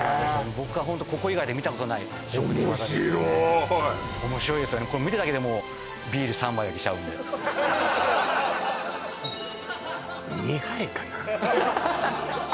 僕はホントここ以外で見たことない職人技ですねおもしろいですよねこれ見てるだけでもうビール３杯はいけちゃうんで２杯かなあ